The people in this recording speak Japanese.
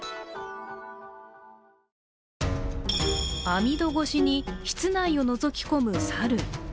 網戸越しに室内をのぞき込む猿。